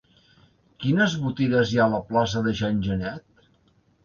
Quines botigues hi ha a la plaça de Jean Genet?